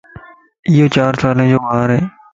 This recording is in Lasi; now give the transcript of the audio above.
ايو چار سالين جو ٻار ائي